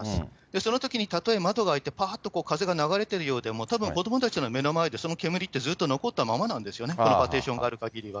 そのときにたとえ窓が開いてぱーっと風が流れてるようでも、たぶん子どもたちの目の前で、その煙って、ずっと残ったままなんですよね、このパーテーションがあるかぎりは。